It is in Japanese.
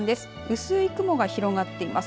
薄い雲が広がっています。